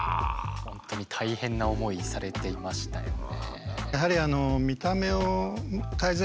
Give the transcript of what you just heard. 本当に大変な思いされていましたよね。